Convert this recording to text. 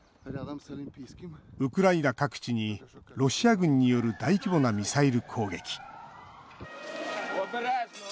ウクライナ各地にロシア軍による大規模なミサイル攻撃。